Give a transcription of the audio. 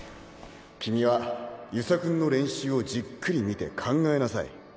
君は遊佐君の練習をじっくり見て考ええ？